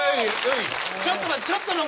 ちょっと待って。